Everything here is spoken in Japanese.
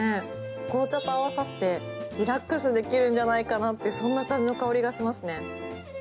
紅茶と合わさってリラックスできるんじゃないかなってそんな感じの香りがしますね。